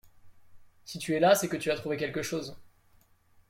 Si tu es là, c’est que tu as trouvé quelque chose